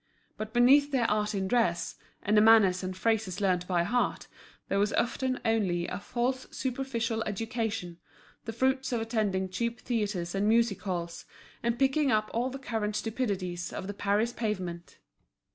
But beneath their art in dress, and the manners and phrases learnt by heart, there was often only a false superficial education, the fruits of attending cheap theatres and music halls, and picking up all the current stupidities of the Paris pavement.